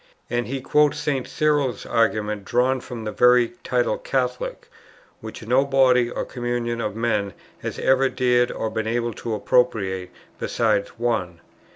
And he quotes St. Cyril's argument drawn from the very title Catholic, which no body or communion of men has ever dared or been able to appropriate, besides one.